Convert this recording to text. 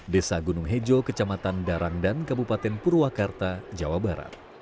desa gunung hejo kecamatan darang dan kabupaten purwakarta jawa barat